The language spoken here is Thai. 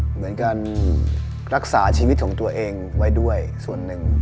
เหมือนการรักษาชีวิตของตัวเองไว้ด้วยส่วนหนึ่ง